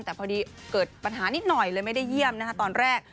แต่พอดีเกิดปัญหานิดหน่อยเลยไม่ได้เยี่ยมนะคะตอนแรก